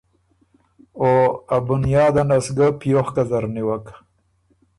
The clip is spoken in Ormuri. او ا بنیادنه سُو ګۀ پیوخکه زر نیوک